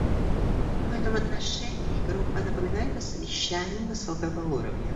В этом отношении Группа напоминает о совещании высокого уровня.